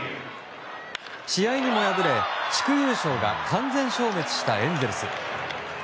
試合にも敗れ、地区優勝が完全消滅したエンゼルス。